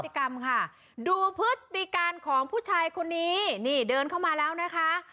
กรรมค่ะดูพฤติการของผู้ชายคนนี้นี่เดินเข้ามาแล้วนะคะ